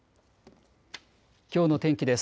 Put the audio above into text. きょうの天気です。